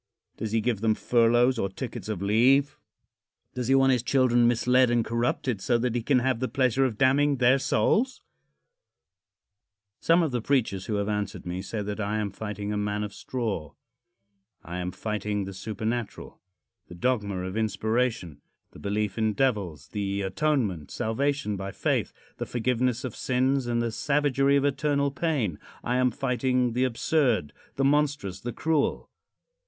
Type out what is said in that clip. Does he give them furloughs or tickets of leave? Does he want his children misled and corrupted so that he can have the pleasure of damning their souls? VII. THE MAN OF STRAW. Some of the preachers who have answered me say that I am fighting a man of straw. I am fighting the supernatural the dogma of inspiration the belief in devils the atonement, salvation by faith the forgiveness of sins and the savagery of eternal pain. I am fighting the absurd, the monstrous, the cruel.